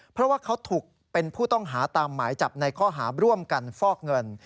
เพราะว่าเขาถูกเป็นผู้ต้องหาตามหมายจับในข้อหาร่วมกันฟอกเงิน